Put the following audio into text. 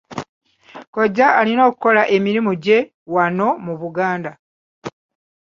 Kojja alina okukola emirimu gye wano mu Buganda.